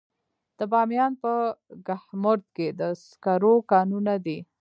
د بامیان په کهمرد کې د سکرو کانونه دي.